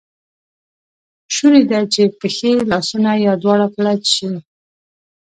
شونی ده چې پښې، لاسونه یا دواړه فلج شي.